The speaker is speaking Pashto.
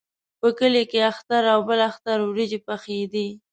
په کلي کې اختر او بل اختر وریجې پخېدې.